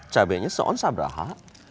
cabenya se on sabraha